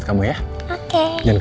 kamu seneng gak